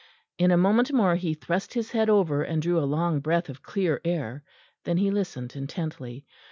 In a moment more he thrust his head over, and drew a long breath of clear air; then he listened intently.